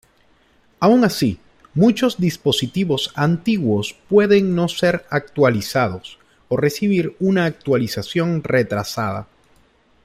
Aun así, muchos dispositivos antiguos pueden no ser actualizados, o recibir una actualización retrasada.